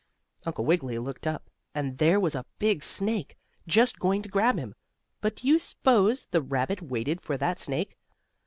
Uncle Wiggily looked up, and there was a big snake, just going to grab him. But do you s'pose the rabbit waited for that snake?